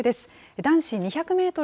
男子２００メートル